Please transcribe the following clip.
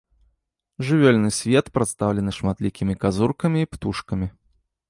Жывёльны свет прадстаўлены шматлікімі казуркамі і птушкамі.